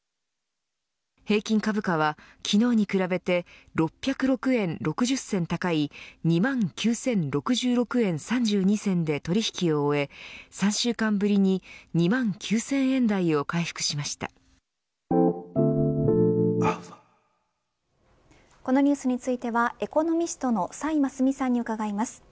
平均株価は昨日に比べて６０６円６０銭高い２万９０６６円３２銭で取引を終え３週間ぶりに２万９０００円台をこのニュースについてはエコノミストの崔真淑さんに伺います。